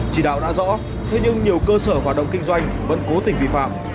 chỉ đạo đã rõ thế nhưng nhiều cơ sở hoạt động kinh doanh vẫn cố tình vi phạm